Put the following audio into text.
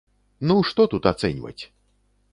Ну што тут ацэньваць.